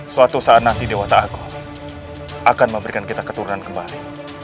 suatu saat di dewata agung akan memberikan kita keturunan kembali